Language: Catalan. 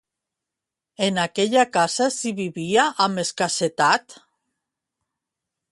En aquella casa s'hi vivia amb escassetat?